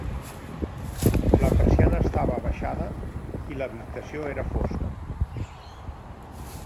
La persiana estava abaixada i l'habitació era fosca.